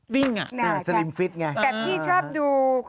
วิ่งอะทันทร์สตรีมฟิตงะตอนนั้นนะคะแต่พี่ชอบดู